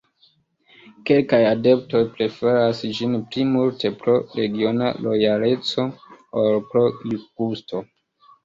Kelkaj adeptoj preferas ĝin pli multe pro regiona lojaleco ol pro gusto.